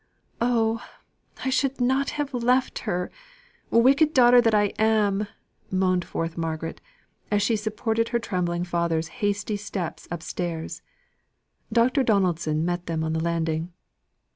"Oh! I should not have left her wicked daughter that I am!" moaned forth Margaret, as she supported her trembling father's hasty steps upstairs. Dr. Donaldson met them on the landing.